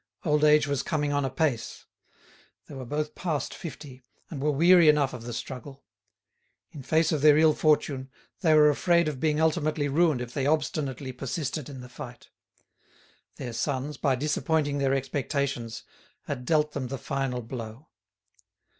Old age was coming on apace; they were both past fifty and were weary enough of the struggle. In face of their ill fortune, they were afraid of being ultimately ruined if they obstinately persisted in the fight. Their sons, by disappointing their expectations, had dealt them the final blow.